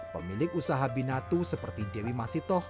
pemilik usaha binatu seperti dewi masitoh